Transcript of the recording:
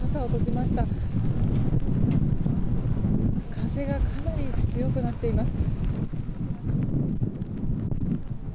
風がかなり強くなっています。